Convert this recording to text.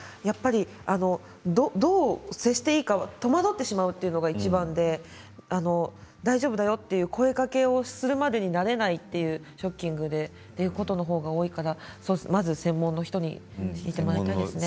どう接していいか戸惑ってしまうというのがいちばんで大丈夫だよと声かけをするまでになれないというショッキングでということのほうが多いから、まず専門の人に聞いてもらいたいですね。